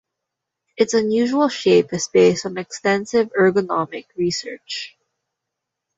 Its unusual shape is based on extensive ergonomic research.